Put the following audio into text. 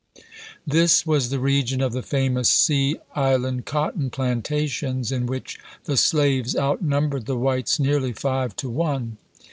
This was the region of the famous sea island cotton plantations, in which the slaves out numbered the whites nearly five to one.